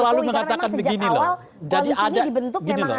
karena memang sejak awal polisi ini dibentuk memang atas arah pak jokowi